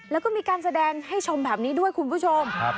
แล้วก็มีการแสดงให้ชมแบบนี้ด้วยคุณผู้ชม